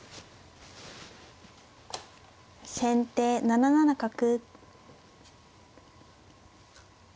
先手７七角。